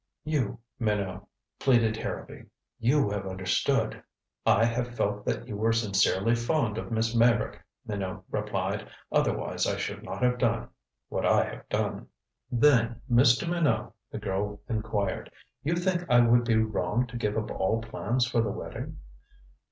"You, Minot " pleaded Harrowby. "You have understood " "I have felt that you were sincerely fond of Miss Meyrick," Minot replied. "Otherwise I should not have done what I have done." "Then, Mr. Minot," the girl inquired, "you think I would be wrong to give up all plans for the wedding?"